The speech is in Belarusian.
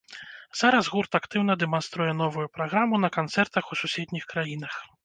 Зараз гурт актыўна дэманструе новую праграму на канцэртах у суседніх краінах.